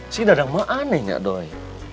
si dadang mah anehnya doi